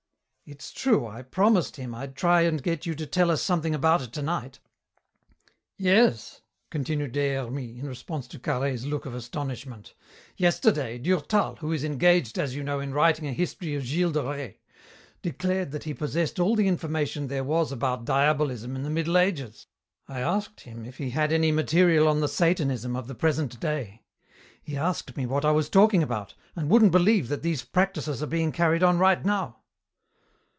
It's true I promised him I'd try and get you to tell us something about it tonight. Yes," continued Des Hermies, in response to Carhaix's look of astonishment, "yesterday, Durtal, who is engaged, as you know, in writing a history of Gilles de Rais, declared that he possessed all the information there was about Diabolism in the Middle Ages. I asked him if he had any material on the Satanism of the present day. He asked me what I was talking about, and wouldn't believe that these practices are being carried on right now."